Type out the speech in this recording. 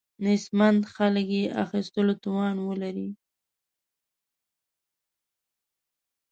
نیستمن خلک یې اخیستلو توان ولري.